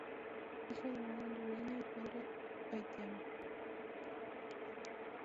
Hijo de madre hondureña y padre haitiano.